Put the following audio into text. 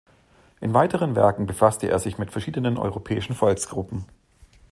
In weiteren Werken befasste er sich mit verschiedenen europäischen Volksgruppen.